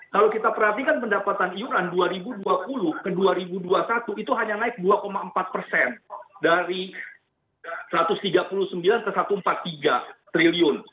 kalau kita perhatikan pendapatan iuran dua ribu dua puluh ke dua ribu dua puluh satu itu hanya naik dua empat persen dari rp satu ratus tiga puluh sembilan ke satu ratus empat puluh tiga triliun